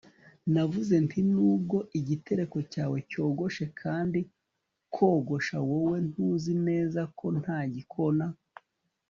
navuze nti nubwo igitereko cyawe cyogoshe kandi kogosha, wowe, ntuzi neza ko nta gikona